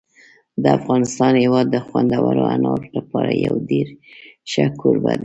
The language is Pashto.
د افغانستان هېواد د خوندورو انارو لپاره یو ډېر ښه کوربه دی.